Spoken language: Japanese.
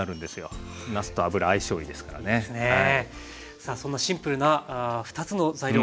さあそんなシンプルな２つの材料